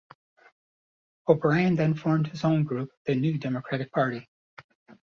O'Brien then formed his own group, the New Democratic Party.